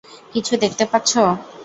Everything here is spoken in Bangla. কিছু দেখতে পাচ্ছ?